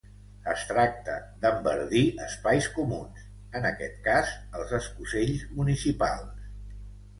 Es tracta d’enverdir espais comuns, en aquest cas, els escocells municipals.